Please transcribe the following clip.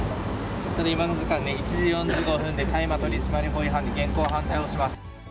今の時間ね、１時４５分で大麻取締法違反で現行犯逮捕します。